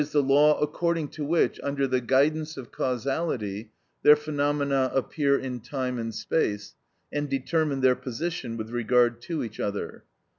_, the law according to which, under the guidance of causality, their phenomena appear in time and space, and determine their position with regard to each other.